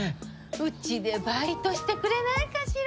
うちでバイトしてくれないかしら。